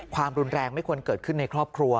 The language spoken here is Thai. ความรุนแรงไม่ควรเกิดขึ้นในครอบครัว